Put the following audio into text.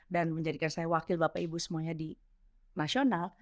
dan menjadikan saya wakil bapak ibu semuanya di nasional